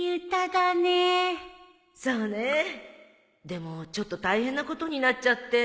でもちょっと大変なことになっちゃって。